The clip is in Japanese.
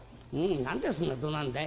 「何でそんなどなるんだい？」。